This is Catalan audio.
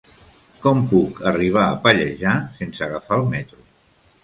Com puc arribar a Pallejà sense agafar el metro?